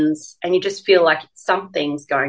dan anda merasa seperti ada sesuatu yang harus anda berikan